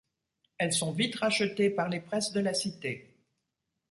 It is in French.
Elles sont vite rachetées par les Presses de la Cité.